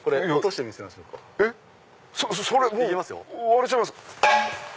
割れちゃいます！